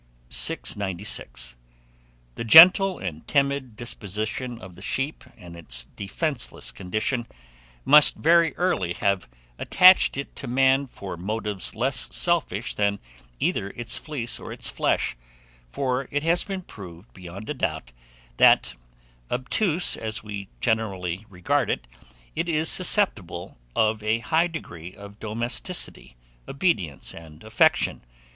696. THE GENTLE AND TIMID DISPOSITION of the sheep, and its defenceless condition, must very early have attached it to man for motives less selfish than either its fleece or its flesh; for it has been proved beyond a doubt that, obtuse as we generally regard it, it is susceptible of a high degree of domesticity, obedience, and affection.